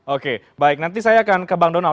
oke baik nanti saya akan ke bang donald